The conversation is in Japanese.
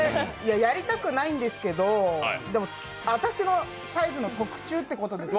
やりたくはないんですけど、でも私のサイズの特注ってことですか？